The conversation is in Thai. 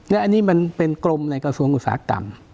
และอันนี้มันเป็นกรมในกระทรวงอุตสาหกรรม